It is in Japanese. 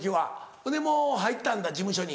ほんでもう入ったんだ事務所に。